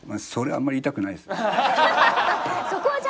あんまり言いたくない。